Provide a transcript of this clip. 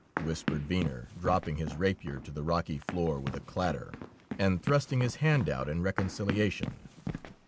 whispered Venner, dropping his rapier to the rocky floor with a clatter, and thrusting his hand out in reconciliation.